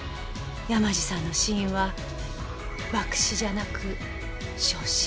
山路さんの死因は爆死じゃなく焼死。